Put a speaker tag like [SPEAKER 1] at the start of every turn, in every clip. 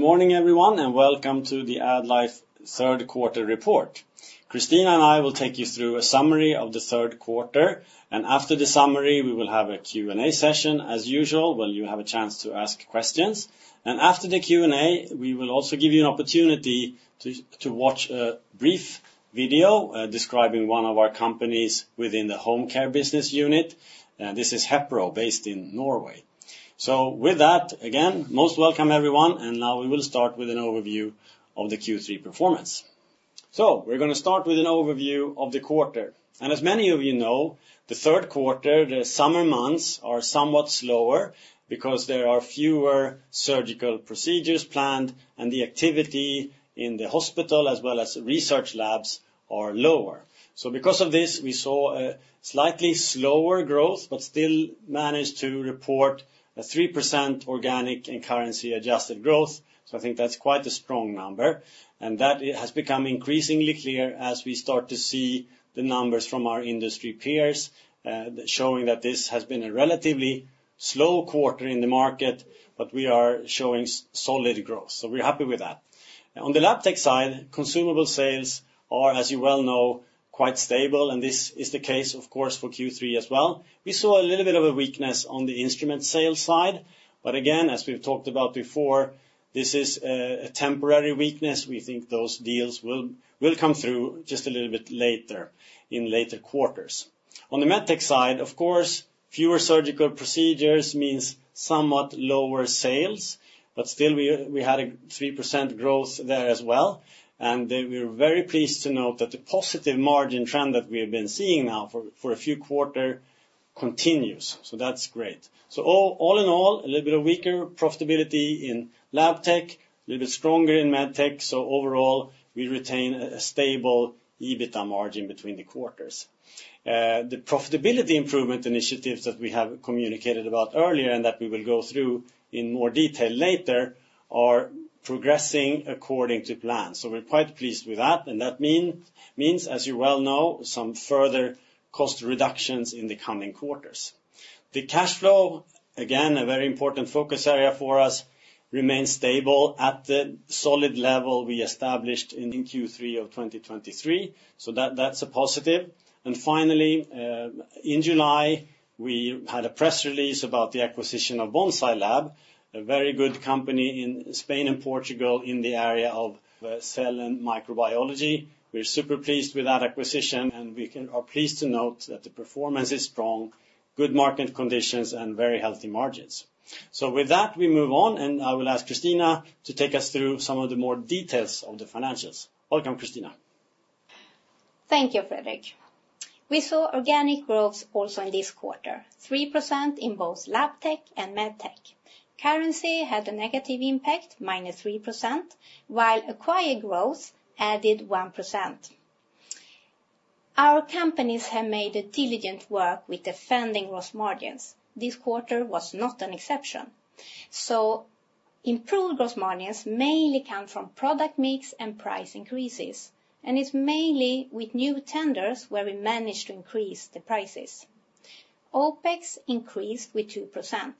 [SPEAKER 1] Good morning, everyone, and welcome to the AddLife third quarter report. Christina and I will take you through a summary of the third quarter, and after the summary, we will have a Q&A session, as usual, where you have a chance to ask questions, and after the Q&A, we will also give you an opportunity to watch a brief video describing one of our companies within the home care business unit, and this is Hepro, based in Norway. So with that, again, most welcome everyone, and now we will start with an overview of the Q3 performance, so we're going to start with an overview of the quarter, and as many of you know, the third quarter, the summer months, are somewhat slower because there are fewer surgical procedures planned, and the activity in the hospital, as well as research labs, are lower. So because of this, we saw a slightly slower growth, but still managed to report a 3% organic and currency-adjusted growth. So I think that's quite a strong number, and that has become increasingly clear as we start to see the numbers from our industry peers, showing that this has been a relatively slow quarter in the market, but we are showing solid growth. So we're happy with that. On the Labtech side, consumable sales are, as you well know, quite stable, and this is the case, of course, for Q3 as well. We saw a little bit of a weakness on the instrument sales side, but again, as we've talked about before, this is a temporary weakness. We think those deals will come through just a little bit later in later quarters. On the Medtech side, of course, fewer surgical procedures means somewhat lower sales, but still we had a 3% growth there as well. We were very pleased to note that the positive margin trend that we have been seeing now for a few quarters continues. That's great. All in all, a little bit of weaker profitability in Labtech, a little bit stronger in Medtech, so overall we retain a stable EBITDA margin between the quarters. The profitability improvement initiatives that we have communicated about earlier, and that we will go through in more detail later, are progressing according to plan. We're quite pleased with that, and that means, as you well know, some further cost reductions in the coming quarters. The cash flow, again, a very important focus area for us, remains stable at the solid level we established in Q3 of twenty twenty-three. So that, that's a positive. And finally, in July, we had a press release about the acquisition of Bonsai Lab, a very good company in Spain and Portugal in the area of cell and molecular biology. We're super pleased with that acquisition, and are pleased to note that the performance is strong, good market conditions, and very healthy margins. So with that, we move on, and I will ask Christina to take us through some of the more details of the financials. Welcome, Christina.
[SPEAKER 2] Thank you, Fredrik. We saw organic growth also in this quarter, 3% in both Labtech and Medtech. Currency had a negative impact, -3%, while acquired growth added 1%. Our companies have made a diligent work with defending growth margins. This quarter was not an exception, so improved growth margins mainly come from product mix and price increases, and it's mainly with new tenders where we managed to increase the prices. OPEX increased with 2%.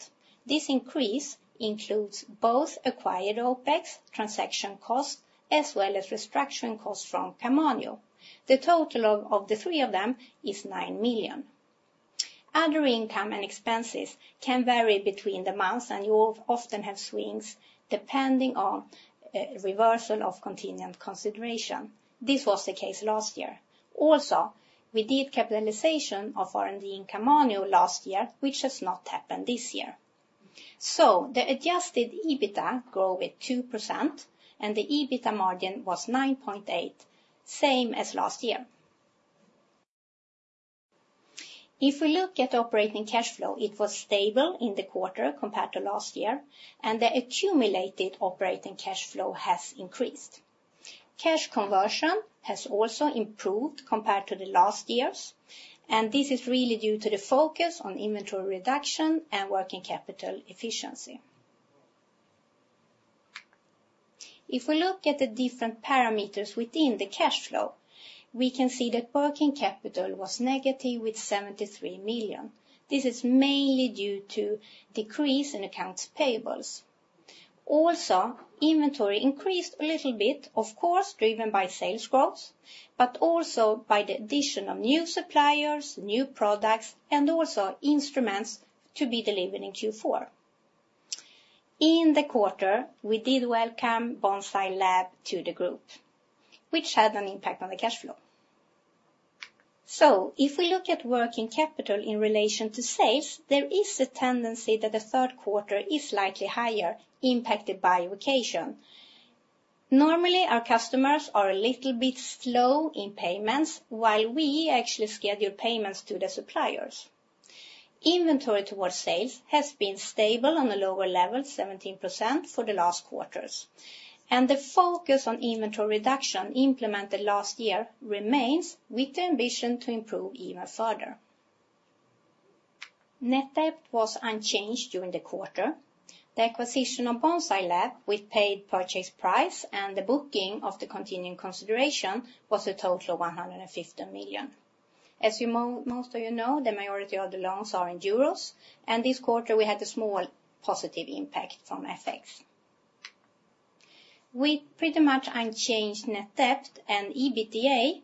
[SPEAKER 2] This increase includes both acquired OPEX, transaction costs, as well as restructuring costs from Camanio. The total of the three of them is 9 million. Other income and expenses can vary between the months, and you often have swings depending on reversal of continuing consideration. This was the case last year. Also, we did capitalization of R&D in Camanio last year, which has not happened this year. The adjusted EBITDA grow with 2%, and the EBITDA margin was 9.8%, same as last year. If we look at operating cash flow, it was stable in the quarter compared to last year, and the accumulated operating cash flow has increased. Cash conversion has also improved compared to the last years, and this is really due to the focus on inventory reduction and working capital efficiency. If we look at the different parameters within the cash flow, we can see that working capital was negative with 73 million. This is mainly due to decrease in accounts payables. Also, inventory increased a little bit, of course, driven by sales growth, but also by the addition of new suppliers, new products, and also instruments to be delivered in Q4. In the quarter, we did welcome Bonsai Lab to the group, which had an impact on the cash flow. So if we look at working capital in relation to sales, there is a tendency that the third quarter is slightly higher, impacted by vacation. Normally, our customers are a little bit slow in payments, while we actually schedule payments to the suppliers. Inventory towards sales has been stable on a lower level, 17%, for the last quarters, and the focus on inventory reduction implemented last year remains with the ambition to improve even further. Net debt was unchanged during the quarter. The acquisition of Bonsai Lab, with paid purchase price and the booking of the continuing consideration, was a total of 150 million, as you most of you know, the majority of the loans are in EUR, and this quarter, we had a small positive impact from FX. With pretty much unchanged net debt and EBITDA,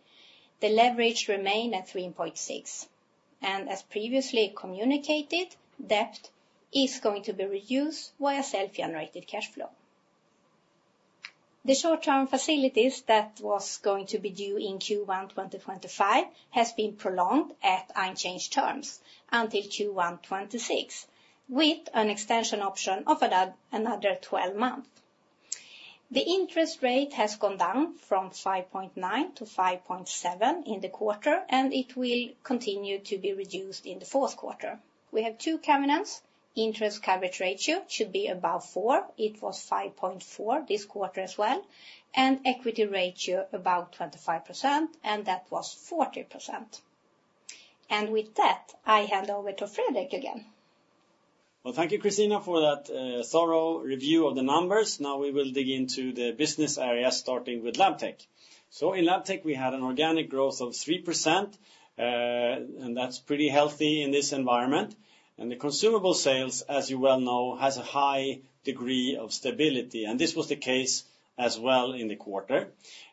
[SPEAKER 2] the leverage remained at 3.6. As previously communicated, debt is going to be reduced via self-generated cash flow. The short-term facilities that was going to be due in Q1 2025 has been prolonged at unchanged terms until Q1 2026, with an extension option of another twelve months. The interest rate has gone down from 5.9-5.7 in the quarter, and it will continue to be reduced in the fourth quarter. We have two covenants. Interest coverage ratio should be about four. It was 5.4 this quarter as well, and equity ratio about 25%, and that was 40%. With that, I hand over to Fredrik again.
[SPEAKER 1] Thank you, Christina, for that thorough review of the numbers. Now we will dig into the business area, starting with Labtech. So in Labtech, we had an organic growth of 3%, and that's pretty healthy in this environment. And the consumable sales, as you well know, has a high degree of stability, and this was the case as well in the quarter.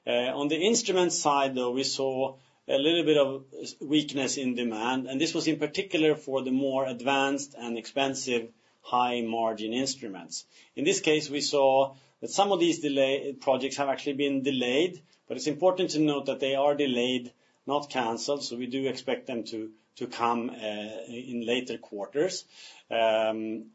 [SPEAKER 1] On the instrument side, though, we saw a little bit of weakness in demand, and this was in particular for the more advanced and expensive high-margin instruments. In this case, we saw that some of these delayed projects have actually been delayed, but it's important to note that they are delayed, not canceled, so we do expect them to come in later quarters.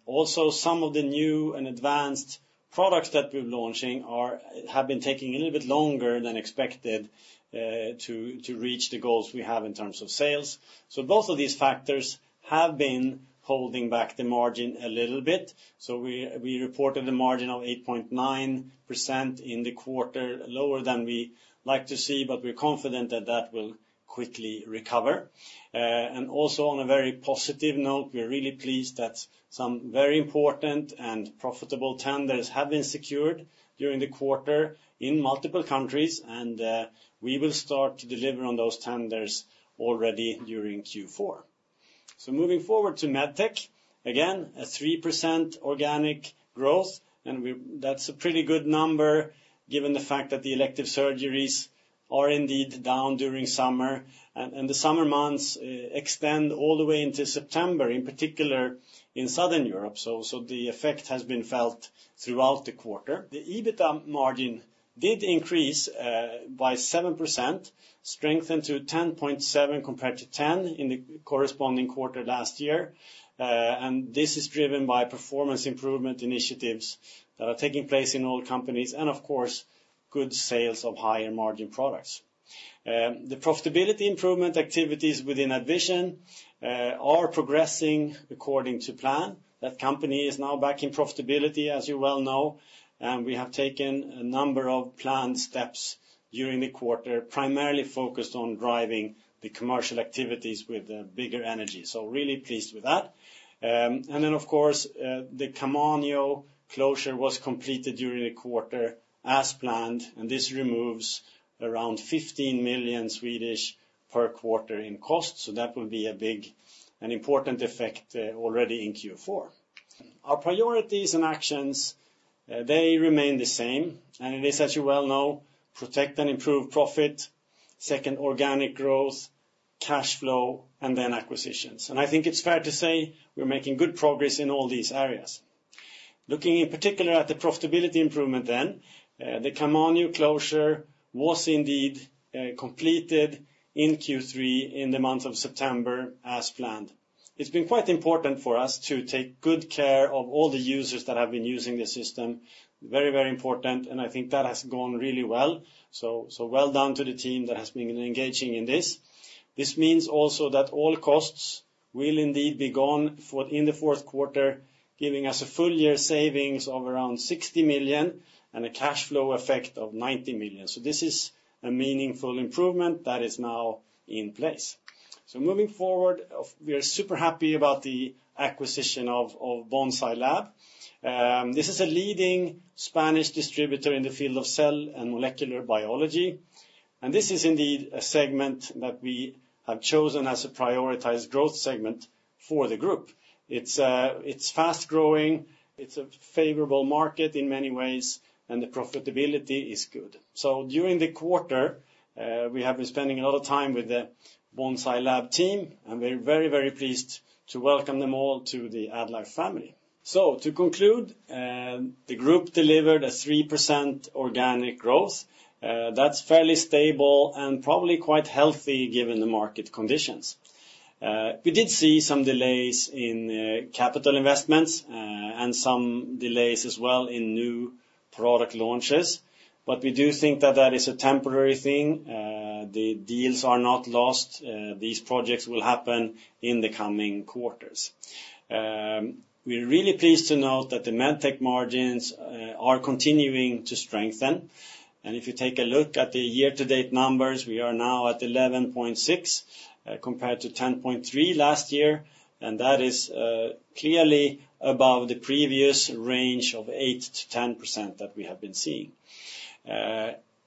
[SPEAKER 1] Also, some of the new and advanced products that we're launching are, have been taking a little bit longer than expected, to reach the goals we have in terms of sales, so both of these factors have been holding back the margin a little bit. We reported a margin of 8.9% in the quarter, lower than we like to see, but we're confident that that will quickly recover, and also, on a very positive note, we are really pleased that some very important and profitable tenders have been secured during the quarter in multiple countries, and we will start to deliver on those tenders already during Q4, so moving forward to Medtech, again, a 3% organic growth, and we... That's a pretty good number, given the fact that the elective surgeries are indeed down during summer, and the summer months extend all the way into September, in particular in Southern Europe. So the effect has been felt throughout the quarter. The EBITDA margin did increase by 7%, strengthened to 10.7% compared to 10% in the corresponding quarter last year. And this is driven by performance improvement initiatives that are taking place in all companies and, of course, good sales of higher-margin products. The profitability improvement activities within AddVision are progressing according to plan. That company is now back in profitability, as you well know, and we have taken a number of planned steps during the quarter, primarily focused on driving the commercial activities with a bigger energy. So really pleased with that. And then, of course, the Camanio closure was completed during the quarter as planned, and this removes around 15 million SEK per quarter in cost, so that will be a big and important effect, already in Q4. Our priorities and actions, they remain the same, and it is, as you well know, protect and improve profit, second, organic growth, cash flow, and then acquisitions. I think it's fair to say we're making good progress in all these areas. Looking in particular at the profitability improvement then, the Camanio closure was indeed completed in Q3, in the month of September, as planned. It's been quite important for us to take good care of all the users that have been using the system. Very, very important, and I think that has gone really well. So well done to the team that has been engaging in this. This means also that all costs will indeed be gone in the fourth quarter, giving us a full year savings of around 60 million and a cash flow effect of 90 million. This is a meaningful improvement that is now in place. Moving forward, we are super happy about the acquisition of Bonsai Lab. This is a leading Spanish distributor in the field of cell and molecular biology, and this is indeed a segment that we have chosen as a prioritized growth segment for the group. It's fast-growing, it's a favorable market in many ways, and the profitability is good. During the quarter, we have been spending a lot of time with the Bonsai Lab team, and we're very, very pleased to welcome them all to the AddLife family. To conclude, the group delivered a 3% organic growth. That's fairly stable and probably quite healthy, given the market conditions. We did see some delays in capital investments and some delays as well in new product launches, but we do think that that is a temporary thing. The deals are not lost. These projects will happen in the coming quarters. We're really pleased to note that the Medtech margins are continuing to strengthen. And if you take a look at the year-to-date numbers, we are now at 11.6%, compared to 10.3% last year, and that is clearly above the previous range of 8%-10% that we have been seeing.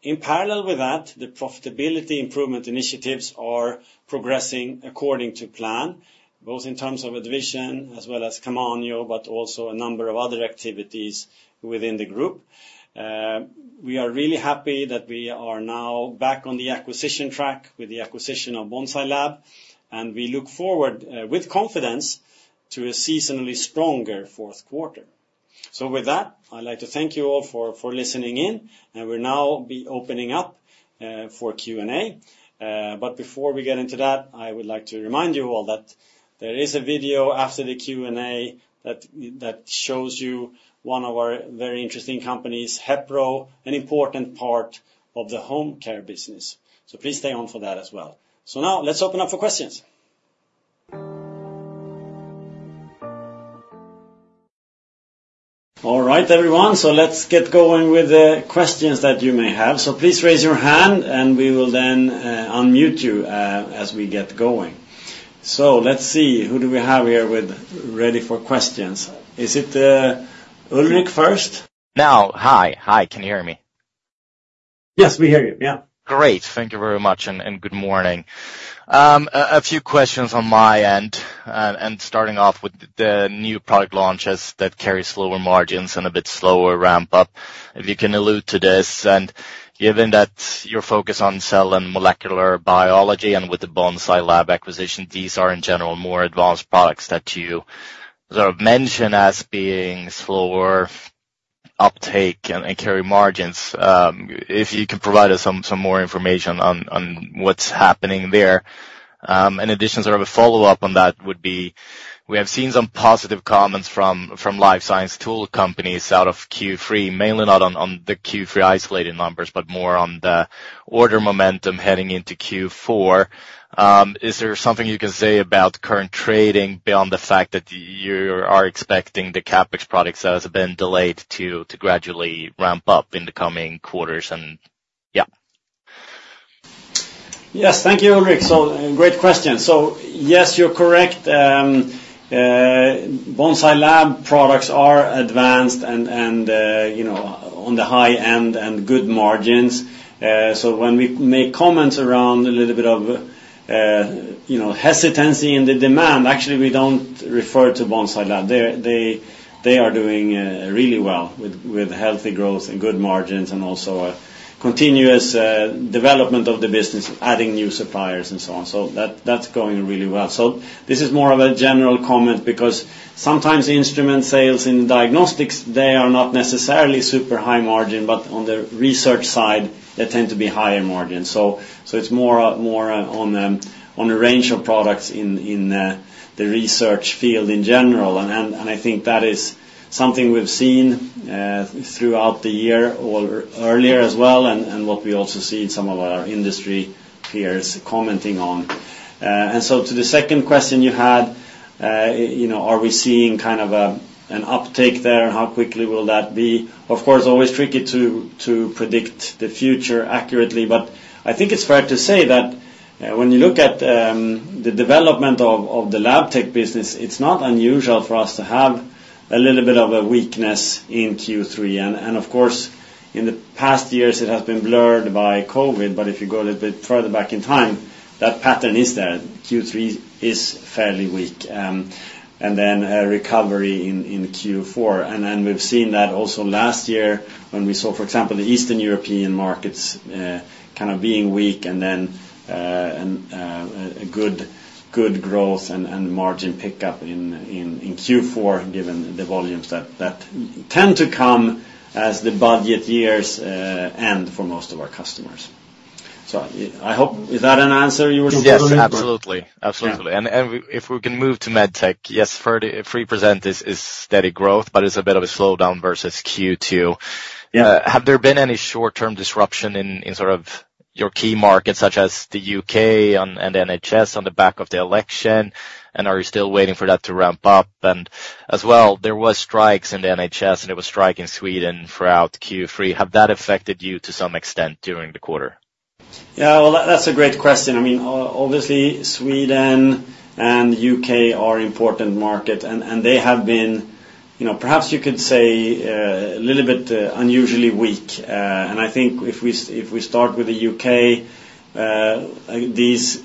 [SPEAKER 1] In parallel with that, the profitability improvement initiatives are progressing according to plan, both in terms of division as well as Camanio, but also a number of other activities within the group. We are really happy that we are now back on the acquisition track with the acquisition of Bonsai Lab, and we look forward with confidence to a seasonally stronger fourth quarter. So with that, I'd like to thank you all for listening in, and we'll now be opening up for Q&A. But before we get into that, I would like to remind you all that there is a video after the Q&A that shows you one of our very interesting companies, Hepro, an important part of the home care business. So please stay on for that as well. So now let's open up for questions. All right, everyone. So let's get going with the questions that you may have. So please raise your hand, and we will then unmute you as we get going. So let's see, who do we have here with ready for questions? Is it Ulrik first? Now. Hi, hi. Can you hear me? Yes, we hear you. Yeah. Great. Thank you very much, and good morning. A few questions on my end, and starting off with the new product launches that carries lower margins and a bit slower ramp-up. If you can allude to this, and given that your focus on cell and molecular biology and with the Bonsai Lab acquisition, these are, in general, more advanced products that you sort of mention as being slower uptake and carry margins. If you could provide us some more information on what's happening there. In addition, sort of a follow-up on that would be, we have seen some positive comments from life science tool companies out of Q3, mainly not on the Q3 isolated numbers, but more on the order momentum heading into Q4. Is there something you can say about current trading beyond the fact that you are expecting the CapEx products that has been delayed to gradually ramp up in the coming quarters, and? Yes. Thank you, Ulrik. So great question. So yes, you're correct. Bonsai Lab products are advanced and you know on the high end and good margins. So when we make comments around a little bit of hesitancy in the demand, actually, we don't refer to Bonsai Lab. They are doing really well with healthy growth and good margins, and also a continuous development of the business, adding new suppliers and so on. So that's going really well. So this is more of a general comment because sometimes instrument sales in diagnostics, they are not necessarily super high margin, but on the research side, they tend to be higher margin. So it's more on a range of products in the research field in general. I think that is something we've seen throughout the year or earlier as well, and what we also see in some of our industry peers commenting on. And so to the second question you had, you know, are we seeing kind of an uptake there, and how quickly will that be? Of course, always tricky to predict the future accurately, but I think it's fair to say that when you look at the development of the lab tech business, it's not unusual for us to have a little bit of a weakness in Q3. And of course, in the past years, it has been blurred by COVID, but if you go a little bit further back in time, that pattern is there. Q3 is fairly weak, and then a recovery in Q4. And then we've seen that also last year when we saw, for example, the Eastern European markets kind of being weak and then a good growth and margin pickup in Q4, given the volumes that tend to come as the budget years end for most of our customers. So I hope... Is that an answer you were looking for? Yes, absolutely. Absolutely. If we can move to Medtech, yes, 33% is steady growth, but it's a bit of a slowdown versus Q2. Have there been any short-term disruption in sort of your key markets, such as the UK and NHS on the back of the election? And are you still waiting for that to ramp up? And as well, there was strikes in the NHS, and there was strike in Sweden throughout Q3. Have that affected you to some extent during the quarter? Yeah, well, that's a great question. I mean, obviously, Sweden and U.K. are important markets, and they have been, you know, perhaps you could say, a little bit unusually weak. I think if we start with the U.K., these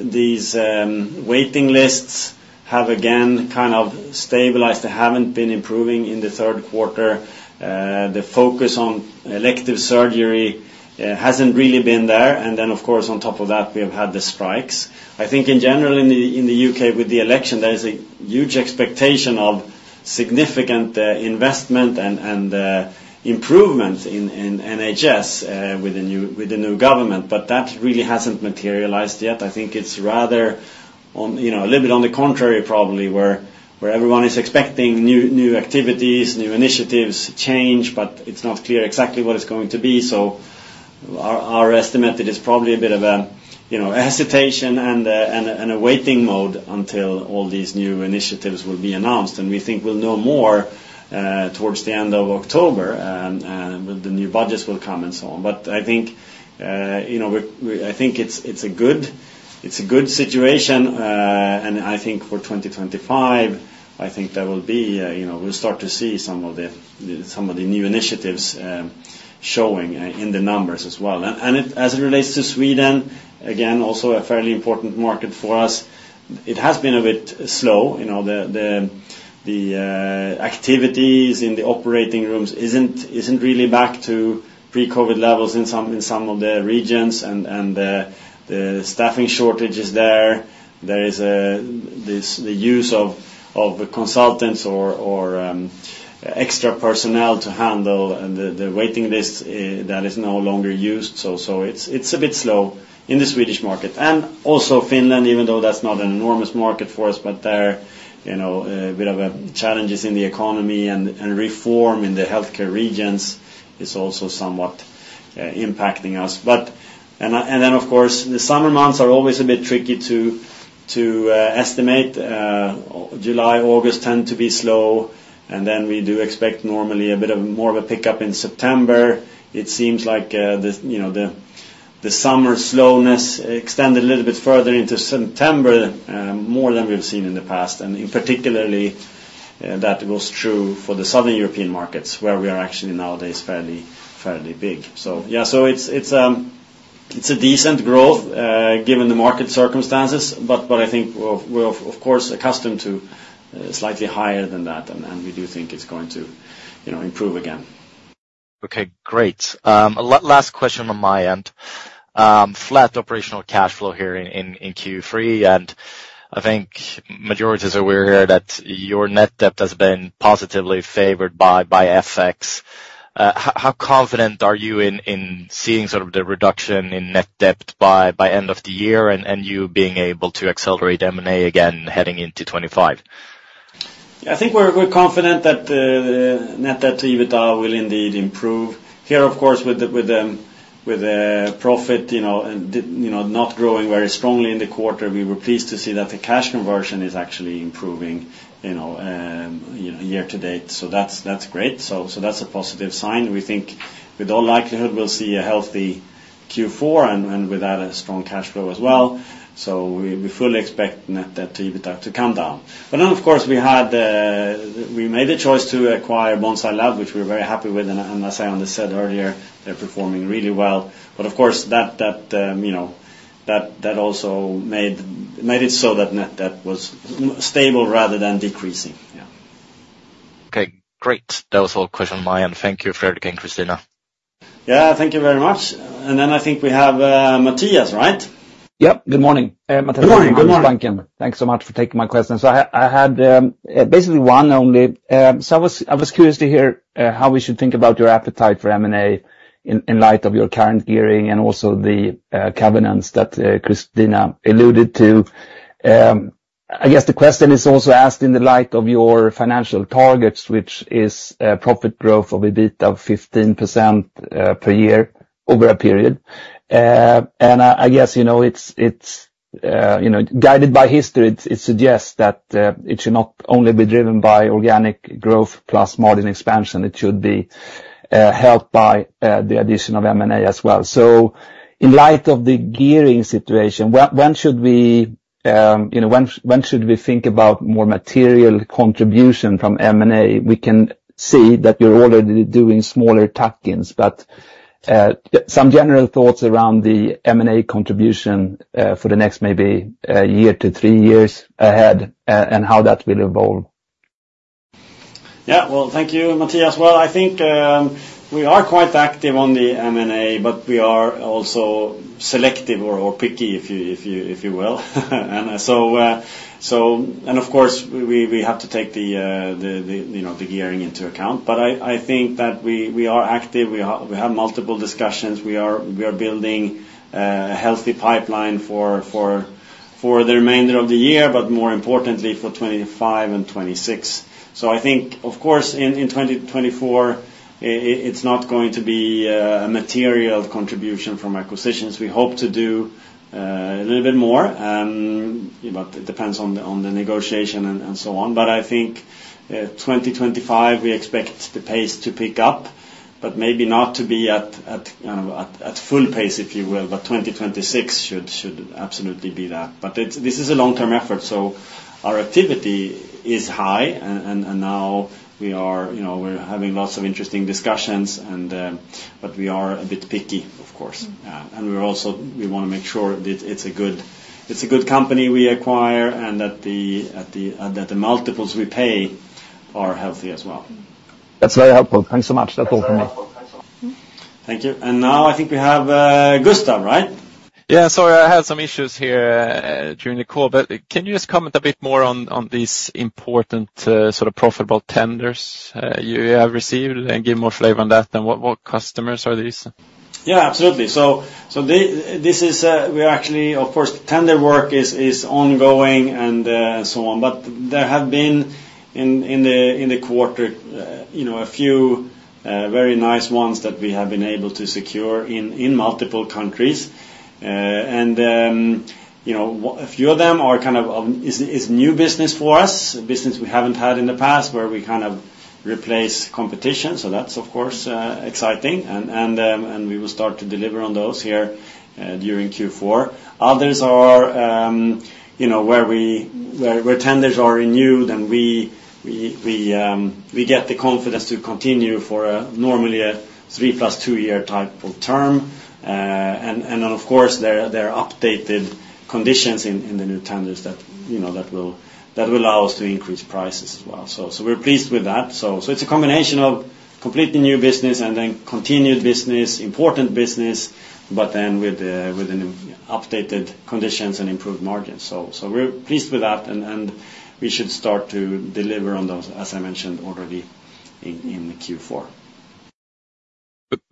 [SPEAKER 1] waiting lists have, again, kind of stabilized. They haven't been improving in the third quarter. The focus on elective surgery hasn't really been there, and then, of course, on top of that, we have had the strikes. I think in general, in the U.K., with the election, there is a huge expectation of significant investment and improvement in NHS with the new government, but that really hasn't materialized yet. I think it's rather on, you know, a little bit on the contrary, probably, where everyone is expecting new, new activities, new initiatives, change, but it's not clear exactly what it's going to be. So our estimate, it is probably a bit of a, you know, hesitation and a waiting mode until all these new initiatives will be announced. And we think we'll know more towards the end of October, the new budgets will come and so on. But I think, you know, we I think it's a good situation, and I think for 2025, I think there will be, you know, we'll start to see some of the, some of the new initiatives showing in the numbers as well. It as it relates to Sweden, again, also a fairly important market for us. It has been a bit slow, you know, the activities in the operating rooms isn't really back to pre-COVID levels in some of the regions, and the staffing shortages there. There is the use of consultants or extra personnel to handle the waiting list that is no longer used. So it's a bit slow in the Swedish market. Also Finland, even though that's not an enormous market for us, but there, you know, a bit of a challenges in the economy and reform in the healthcare regions is also somewhat impacting us. But then, of course, the summer months are always a bit tricky to estimate. July, August tend to be slow, and then we do expect normally a bit more of a pickup in September. It seems like, you know, the summer slowness extended a little bit further into September, more than we've seen in the past. And in particular, that holds true for the Southern European markets, where we are actually nowadays fairly big. So yeah, so it's a decent growth, given the market circumstances, but I think we're of course accustomed to slightly higher than that, and we do think it's going to, you know, improve again. Okay, great. Last question on my end. Flat operational cash flow here in Q3, and I think majority is aware here that your net debt has been positively favored by FX. How confident are you in seeing sort of the reduction in net debt by end of the year, and you being able to accelerate M&A again heading into 2025? I think we're confident that the net debt to EBITDA will indeed improve. Here, of course, with the profit, you know, not growing very strongly in the quarter, we were pleased to see that the cash conversion is actually improving, you know, year to date. So that's great. So that's a positive sign. We think with all likelihood, we'll see a healthy Q4 and with that, a strong cash flow as well. So we fully expect net debt to EBITDA to come down. But then, of course, we made a choice to acquire Bonsai Lab, which we're very happy with, and as I said earlier, they're performing really well. But of course, that also made it so that net debt was stable rather than decreasing. Yeah. Okay, great. That was all questions on my end. Thank you, Fredrik and Christina. Yeah, thank you very much. And then I think we have, Mattias, right? Yep, good morning. Good morning, good morning. Thanks so much for taking my question. So I had basically one only. So I was curious to hear how we should think about your appetite for M&A in light of your current gearing and also the covenants that Christina alluded to. I guess the question is also asked in the light of your financial targets, which is profit growth of EBITDA of 15% per year over a period. And I guess, you know, it's guided by history, it suggests that it should not only be driven by organic growth plus margin expansion, it should be helped by the addition of M&A as well. So in light of the gearing situation, when should we, you know, think about more material contribution from M&A? We can see that you're already doing smaller tuck-ins, but some general thoughts around the M&A contribution for the next maybe year to three years ahead, and how that will evolve. Yeah. Thank you, Mattias. I think we are quite active on the M&A, but we are also selective or picky, if you will. And so, of course, we have to take the gearing into account. But I think that we are active. We have multiple discussions. We are building a healthy pipeline for the remainder of the year, but more importantly, for 2025 and 2026. So I think, of course, in 2024, it's not going to be a material contribution from acquisitions. We hope to do a little bit more, but it depends on the negotiation and so on. But I think, 2025, we expect the pace to pick up, but maybe not to be at full pace, if you will, but 2026 should absolutely be that. But this is a long-term effort, so our activity is high, and now we are, you know, we're having lots of interesting discussions, and, but we are a bit picky, of course. And we're also. We wanna make sure that it's a good company we acquire, and that the multiples we pay are healthy as well. That's very helpful. Thanks so much. That's all for me. Thank you. And now I think we have, Gustav, right? Yeah. Sorry, I had some issues here during the call, but can you just comment a bit more on these important, sort of profitable tenders you have received, and give more flavor on that, and what customers are these? Yeah, absolutely. So this is actually, of course, tender work is ongoing and so on. But there have been in the quarter, you know, a few very nice ones that we have been able to secure in multiple countries. And you know, a few of them are kind of is new business for us, business we haven't had in the past, where we kind of replace competition, so that's, of course, exciting. And we will start to deliver on those here during Q4. Others are, you know, where tenders are renewed, and we get the confidence to continue for normally a three-plus two-year type of term. And then, of course, there are updated conditions in the new tenders that, you know, that will allow us to increase prices as well. So we're pleased with that. So it's a combination of completely new business and then continued business, important business, but then with an updated conditions and improved margins. So we're pleased with that, and we should start to deliver on those, as I mentioned already in Q4.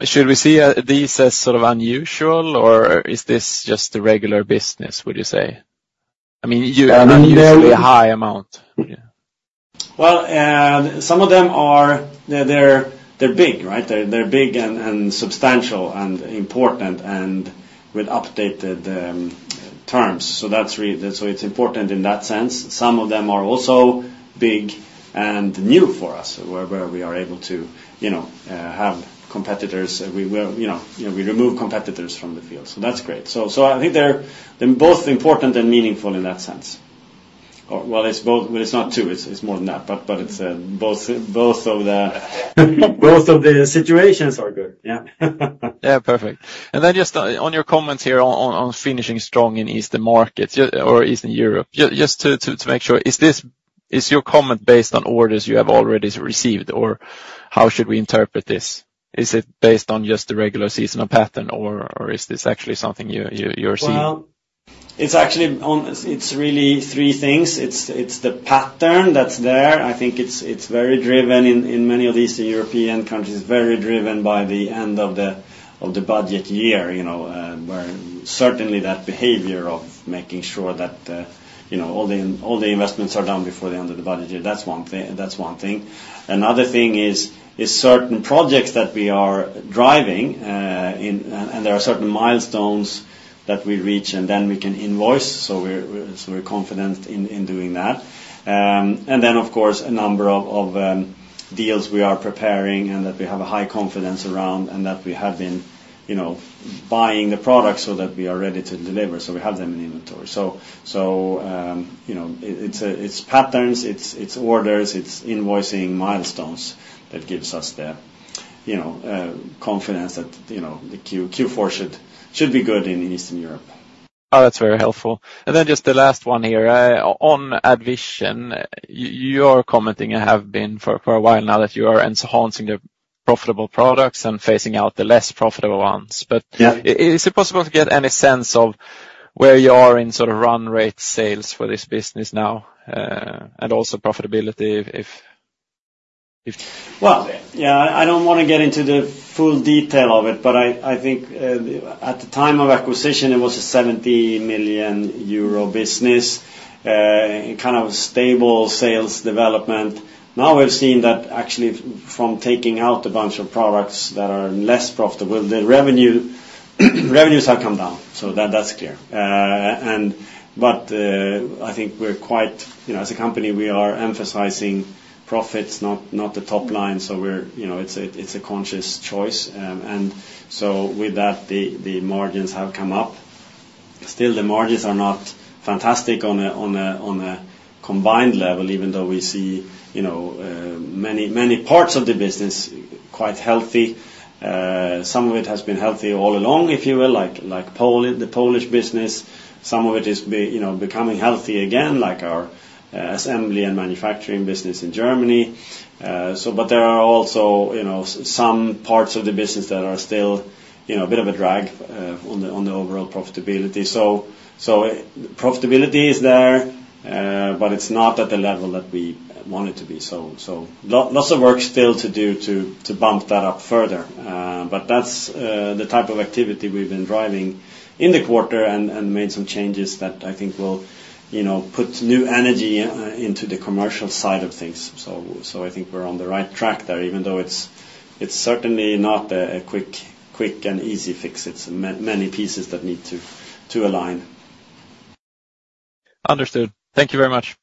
[SPEAKER 1] Should we see these as sort of unusual, or is this just the regular business, would you say? I mean, usually a high amount. Well, and some of them are. They're big, right? They're big and substantial and important and with updated terms. So that's so it's important in that sense. Some of them are also big and new for us, where we are able to, you know, have competitors. We will, you know, we remove competitors from the field, so that's great. So I think they're both important and meaningful in that sense. It's both, but it's not two, it's more than that, but it's both of the situations are good. Yeah. Yeah, perfect. And then just on your comments here on finishing strong in Eastern markets or Eastern Europe, just to make sure, is this, is your comment based on orders you have already received, or how should we interpret this? Is it based on just the regular seasonal pattern, or is this actually something you're seeing? It's actually on. It's really three things. It's the pattern that's there. I think it's very driven in many of these European countries, very driven by the end of the budget year, you know, where certainly that behavior of making sure that you know all the investments are done before the end of the budget year. That's one thing. Another thing is certain projects that we are driving, and there are certain milestones that we reach, and then we can invoice. So we're confident in doing that. And then, of course, a number of deals we are preparing and that we have a high confidence around, and that we have been, you know, buying the product so that we are ready to deliver, so we have them in inventory. So, you know, it's patterns, it's orders, it's invoicing milestones that gives us the, you know, confidence that, you know, the Q4 should be good in Eastern Europe. Oh, that's very helpful. And then just the last one here, on AddVision, you're commenting and have been for a while now that you are enhancing the profitable products and phasing out the less profitable ones, but- Yeah. Is it possible to get any sense of where you are in sort of run rate sales for this business now, and also profitability if... Well, yeah, I don't want to get into the full detail of it, but I think at the time of acquisition, it was a 70 million euro business, kind of stable sales development. Now, we've seen that actually from taking out a bunch of products that are less profitable, the revenues have come down, so that's clear. But I think we're quite. You know, as a company, we are emphasizing profits, not the top line. So we're you know, it's a conscious choice. And so with that, the margins have come up. Still, the margins are not fantastic on a combined level, even though we see you know many parts of the business quite healthy. Some of it has been healthy all along, if you will, like Poland, the Polish business. Some of it is you know, becoming healthy again, like our assembly and manufacturing business in Germany. So but there are also, you know, some parts of the business that are still, you know, a bit of a drag on the overall profitability. Profitability is there, but it's not at the level that we want it to be. Lots of work still to do to bump that up further. But that's the type of activity we've been driving in the quarter and made some changes that I think will, you know, put new energy into the commercial side of things. I think we're on the right track there, even though it's certainly not a quick and easy fix. It's many pieces that need to align. Understood. Thank you very much.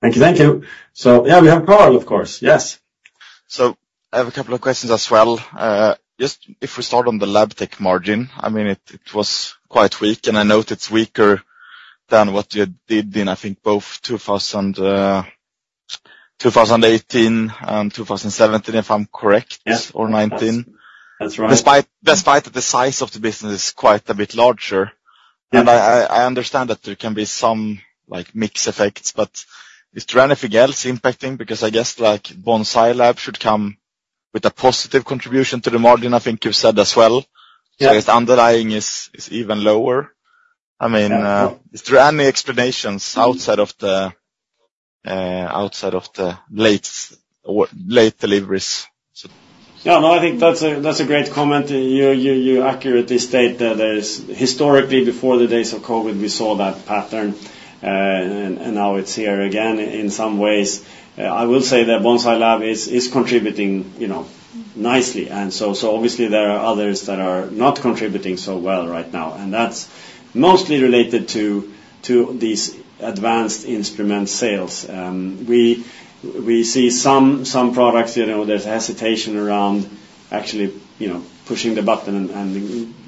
[SPEAKER 1] Thank you. Thank you. So, yeah, we have Karl, of course. Yes. So I have a couple of questions as well. Just if we start on the Labtech margin, I mean, it was quite weak, and I know it's weaker than what you did in, I think, both 2018 and 2017, if I'm correct? Yeah. - or 2019. That's right. Despite the size of the business is quite a bit larger. Yeah. And I understand that there can be some, like, mix effects, but is there anything else impacting? Because I guess, like, Bonsai Lab should come with a positive contribution to the margin, I think you said as well. Yeah. So its underlying is even lower. I mean- Yeah. Is there any explanations outside of the late deliveries? Yeah, no, I think that's a great comment. You accurately state that there's historically, before the days of COVID, we saw that pattern, and now it's here again in some ways. I will say that Bonsai Lab is contributing, you know, nicely, and so obviously, there are others that are not contributing so well right now, and that's mostly related to these advanced instrument sales. We see some products, you know, there's hesitation around actually, you know, pushing the button and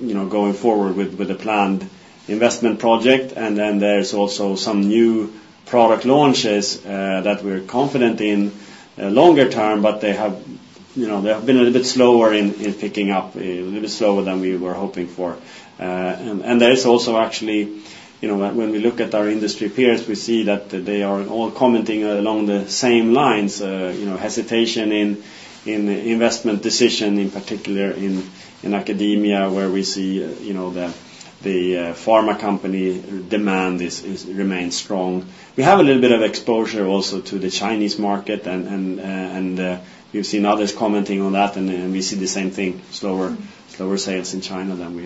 [SPEAKER 1] you know, going forward with the planned investment project, and then there's also some new product launches that we're confident in longer term, but they have, you know, they have been a little bit slower in picking up, a little bit slower than we were hoping for. There is also actually, you know, when we look at our industry peers, we see that they are all commenting along the same lines. You know, hesitation in investment decision, in particular in academia, where we see, you know, the pharma company demand remains strong. We have a little bit of exposure also to the Chinese market, and we've seen others commenting on that, and we see the same thing, slower sales in China than we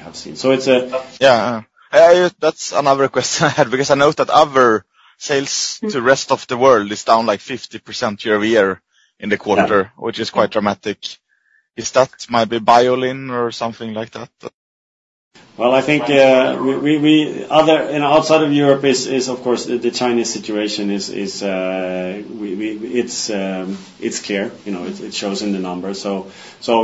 [SPEAKER 1] have seen. So it's a- Yeah. That's another question I had, because I noticed that other sales to rest of the world is down, like, 50% year-over-year in the quarter. Yeah. -which is quite dramatic. Is that might be Biolin or something like that? I think outside of Europe is, of course, the Chinese situation it's clear. You know, it shows in the numbers. So,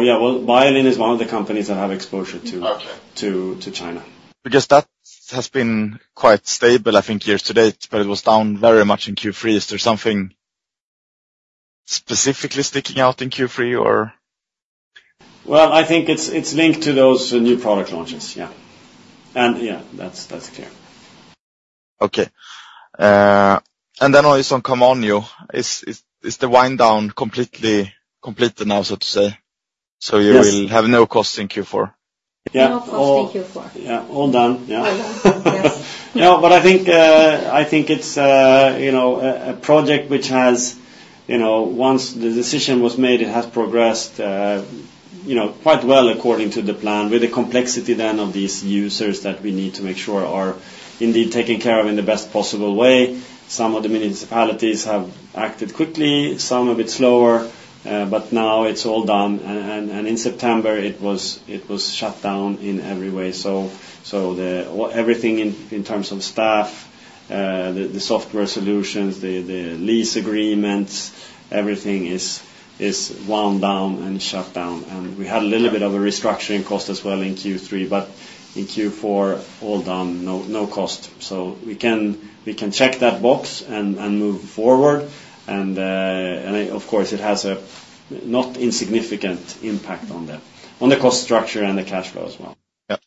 [SPEAKER 1] yeah, well, Biolin is one of the companies that have exposure to- Okay. To China. Because that has been quite stable, I think, year to date, but it was down very much in Q3. Is there something specifically sticking out in Q3, or? I think it's linked to those new product launches, yeah. Yeah, that's clear. Okay, and then on Camanio, is the wind down completely completed now, so to say? Yes. So you will have no cost in Q4? Yeah.
[SPEAKER 2] No cost in Q4.
[SPEAKER 1] Yeah, all done, yeah.
[SPEAKER 2] Yes.
[SPEAKER 1] No, but I think, I think it's, you know, a project which has, you know, once the decision was made, it has progressed, you know, quite well according to the plan, with the complexity then of these users that we need to make sure are indeed taken care of in the best possible way. Some of the municipalities have acted quickly, some a bit slower, but now it's all done, and in September, it was shut down in every way. So everything in terms of staff, the software solutions, the lease agreements, everything is wound down and shut down. And we had a little bit of a restructuring cost as well in Q3, but in Q4, all done, no cost. So we can check that box and move forward. Of course, it has a not insignificant impact on the cost structure and the cash flow as well. Yeah,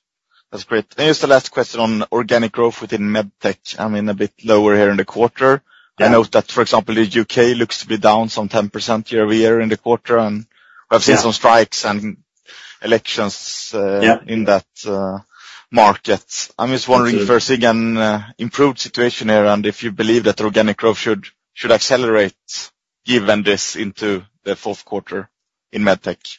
[SPEAKER 1] that's great. Then just the last question on organic growth within Medtech. I mean, a bit lower here in the quarter. Yeah. I know that, for example, the U.K. looks to be down some 10% year-over-year in the quarter, and Yeah. We've seen some strikes and elections. Yeah... in that market. I'm just wondering if you're seeing an improved situation here, and if you believe that organic growth should accelerate, given this into the fourth quarter in Medtech?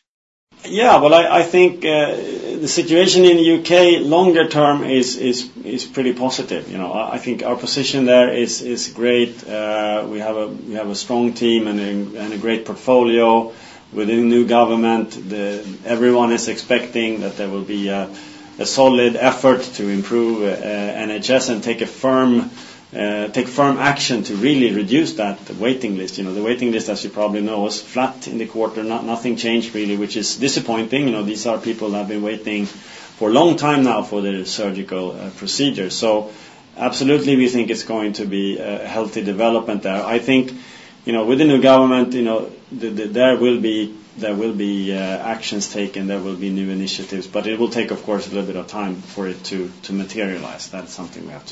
[SPEAKER 1] Yeah, well, I think the situation in the U.K., longer term, is pretty positive. You know, I think our position there is great. We have a strong team and a great portfolio. Within the new government, everyone is expecting that there will be a solid effort to improve NHS and take firm action to really reduce that waiting list. You know, the waiting list, as you probably know, is flat in the quarter. Nothing changed really, which is disappointing. You know, these are people that have been waiting for a long time now for their surgical procedure. So absolutely, we think it's going to be a healthy development there. I think, you know, with the new government, you know, there will be actions taken, there will be new initiatives, but it will take, of course, a little bit of time for it to materialize. That's something we have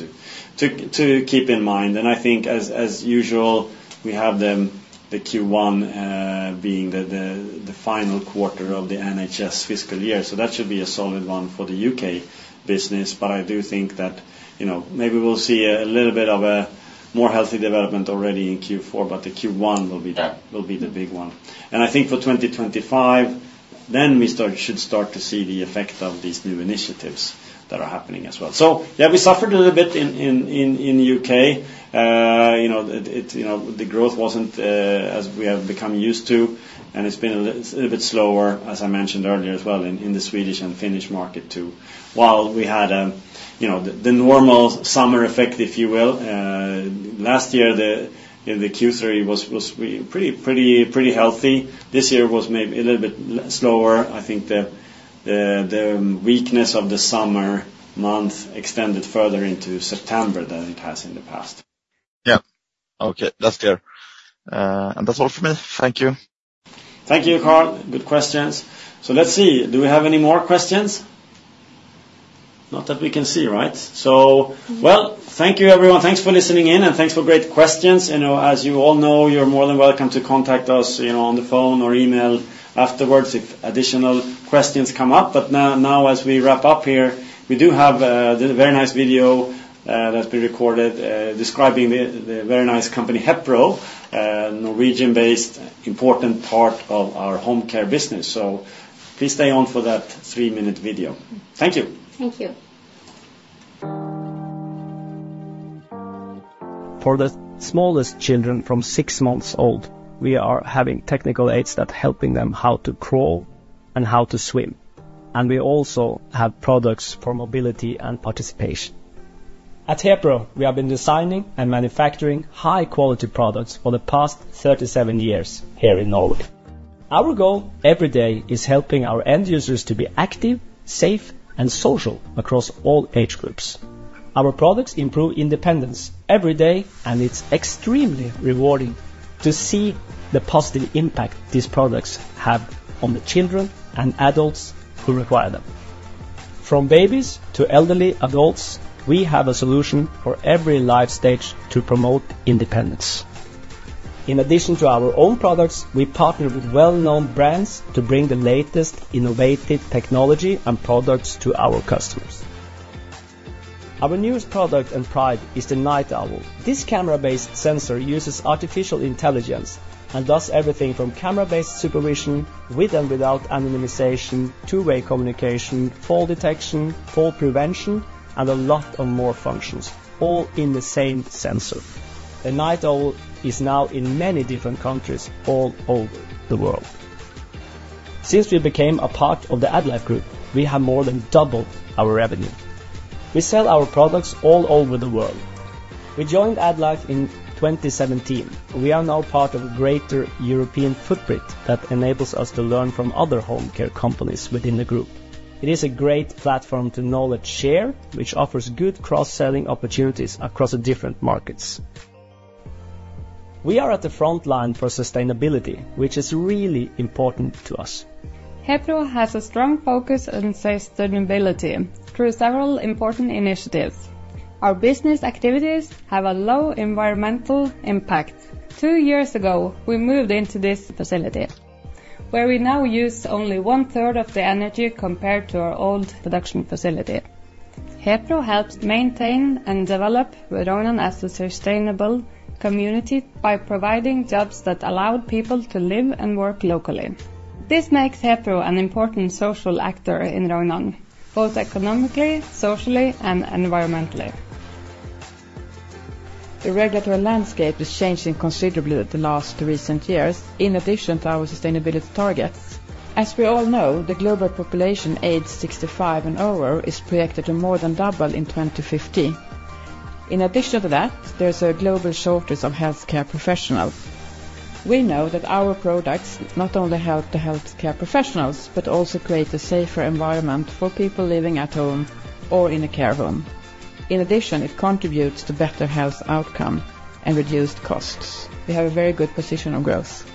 [SPEAKER 1] to keep in mind. And I think as usual, we have them, the Q1 being the final quarter of the NHS fiscal year, so that should be a solid one for the U.K. business. But I do think that, you know, maybe we'll see a little bit of a more healthy development already in Q4, but the Q1 will be the... will be the big one. I think for twenty twenty-five, then we should start to see the effect of these new initiatives that are happening as well. Yeah, we suffered a little bit in U.K. You know, it you know, the growth wasn't as we have become used to, and it's been a little bit slower, as I mentioned earlier, as well, in the Swedish and Finnish market, too. While we had you know, the normal summer effect, if you will, last year, the Q3 was pretty healthy. This year was maybe a little bit slower. I think the weakness of the summer month extended further into September than it has in the past. Yeah. Okay, that's fair. And that's all for me. Thank you. Thank you, Karl. Good questions. So let's see, do we have any more questions? Not that we can see, right? Well, thank you, everyone. Thanks for listening in, and thanks for great questions. You know, as you all know, you're more than welcome to contact us, you know, on the phone or email afterwards if additional questions come up. But now, as we wrap up here, we do have a very nice video that's been recorded describing the very nice company, Hepro, a Norwegian-based important part of our home care business. So please stay on for that three-minute video. Thank you.
[SPEAKER 2] Thank you. For the smallest children from six months old, we are having technical aids that helping them how to crawl and how to swim, and we also have products for mobility and participation. At Hepro, we have been designing and manufacturing high-quality products for the past 37 years here in Norway. Our goal every day is helping our end users to be active, safe, and social across all age groups. Our products improve independence every day, and it's extremely rewarding to see the positive impact these products have on the children and adults who require them. From babies to elderly adults, we have a solution for every life stage to promote independence. In addition to our own products, we partner with well-known brands to bring the latest innovative technology and products to our customers. Our newest product and pride is the Night Owl. This camera-based sensor uses artificial intelligence and does everything from camera-based supervision, with and without anonymization, two-way communication, fall detection, fall prevention, and a lot of more functions, all in the same sensor. The Night Owl is now in many different countries all over the world. Since we became a part of the AddLife group, we have more than doubled our revenue. We sell our products all over the world. We joined AddLife in 2017. We are now part of a greater European footprint that enables us to learn from other home care companies within the group. It is a great platform to knowledge share, which offers good cross-selling opportunities across the different markets. We are at the front line for sustainability, which is really important to us. Hepro has a strong focus on sustainability through several important initiatives. Our business activities have a low environmental impact. Two years ago, we moved into this facility, where we now use only one-third of the energy compared to our old production facility. Hepro helps maintain and develop Rognan as a sustainable community by providing jobs that allow people to live and work locally. This makes Hepro an important social actor in Rognan, both economically, socially, and environmentally. The regulatory landscape is changing considerably over the last recent years, in addition to our sustainability targets. As we all know, the global population aged 65 and over is projected to more than double in 2050. In addition to that, there's a global shortage of healthcare professionals. We know that our products not only help the healthcare professionals, but also create a safer environment for people living at home or in a care home. In addition, it contributes to better health outcome and reduced costs. We have a very good position of growth.